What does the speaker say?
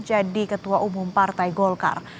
jadi ketua umum partai golkar